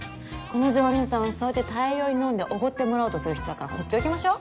この常連さんはそうやって大量に飲んで奢ってもらおうとする人だから放っておきましょ。